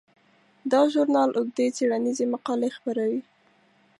دا ژورنال اوږدې څیړنیزې مقالې خپروي.